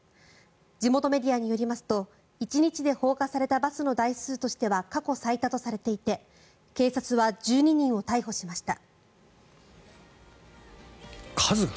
地元メディアによりますと１日で放火されたバスの台数としては過去最多とされていて警察は１２人を逮捕しました。